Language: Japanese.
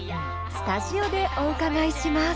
スタジオでお伺いします。